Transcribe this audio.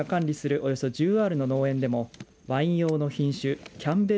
およそ１０アールの農園でもワイン用の品種キャンベル